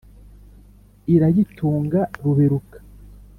irayitunga ruberuka.